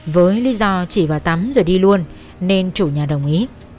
với lý do chỉ vào tắm rồi đi luôn nên chủ nhà đồng ý